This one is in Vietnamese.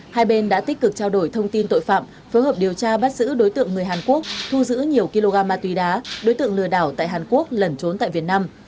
hai bên đã tích cực trao đổi thông tin tội phạm phối hợp điều tra bắt giữ đối tượng người hàn quốc thu giữ nhiều kg ma túy đá đối tượng lừa đảo tại hàn quốc lẩn trốn tại việt nam